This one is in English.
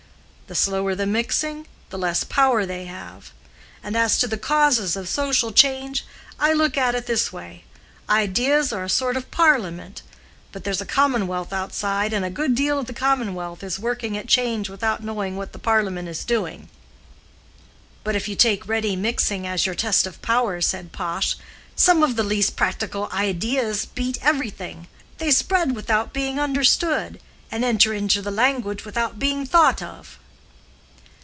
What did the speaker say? The slower the mixing, the less power they have. And as to the causes of social change, I look at it in this way—ideas are a sort of parliament, but there's a commonwealth outside and a good deal of the commonwealth is working at change without knowing what the parliament is doing." "But if you take ready mixing as your test of power," said Pash, "some of the least practical ideas beat everything. They spread without being understood, and enter into the language without being thought of."